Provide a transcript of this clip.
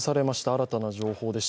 新たな情報です。